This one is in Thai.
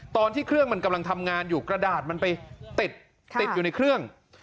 ตอนที่เครื่องมันกำลังทำงานอยู่กระดาษมันไปติดติดอยู่ในเครื่อง